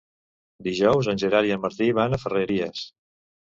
Dijous en Gerard i en Martí van a Ferreries.